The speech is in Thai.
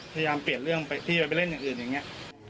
พยายามเปลี่ยนเรื่องไปที่ไปเล่นอย่างอื่นอย่างนี้